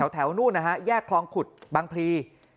แถวนู่นนะฮะแยกคลองขุดบางพลี